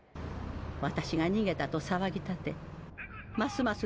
私が逃げたと騒ぎ立てますます